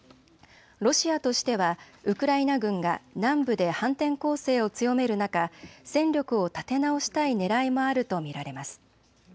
ロシアとしてはウクライナ軍が南部で反転攻勢を強める中、戦力を立て直したいねらいもあると見られます。